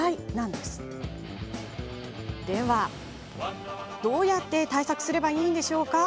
ではどうやって対策すればいいんでしょうか？